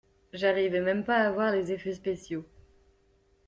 J'arrivais même pas à voir les effets spéciaux.